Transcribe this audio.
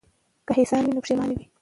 که احسان وي نو پښیماني نه وي.